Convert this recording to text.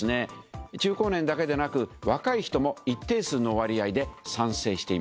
中高年だけでなく若い人も一定数の割合で賛成しています。